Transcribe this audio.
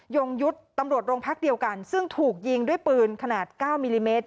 ยงยุทธ์ตำรวจโรงพักเดียวกันซึ่งถูกยิงด้วยปืนขนาด๙มิลลิเมตร